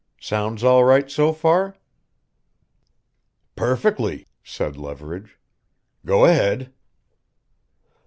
Sounds all right so far?" "Perfectly," said Leverage. "Go ahead."